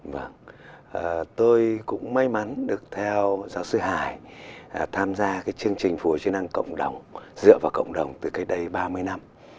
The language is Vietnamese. vâng tôi cũng may mắn được theo giáo sư hải tham gia cái chương trình phổ hồi chức năng cộng đồng dựa vào cộng đồng từ cách đây ba mươi năm